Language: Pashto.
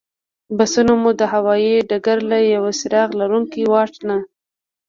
بسونه مو د هوایي ډګر له یوه څراغ لرونکي واټ نه.